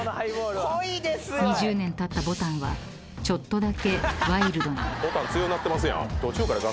［２０年たったぼたんはちょっとだけワイルドに］